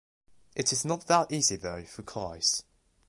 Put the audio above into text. It is not that easy though for Kleist.